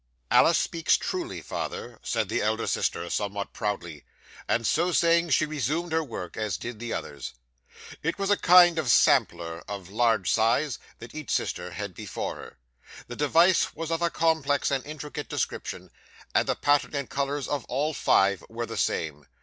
'"Alice speaks truly, father," said the elder sister, somewhat proudly. And so saying she resumed her work, as did the others. 'It was a kind of sampler of large size, that each sister had before her; the device was of a complex and intricate description, and the pattern and colours of all five were the same.